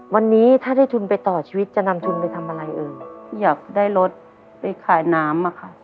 วันนี้ถ้าได้ทุนไปต่อชีวิตจะนำทุนไปทำอะไรเอ่ยอยากได้รถไปขายน้ำอะค่ะ